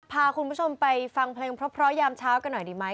พาคุณผู้ชมไปฟังเพลงเพราะยามเช้ากันหน่อยดีไหม